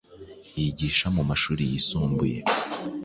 yigisha mu mashuri yisumbuye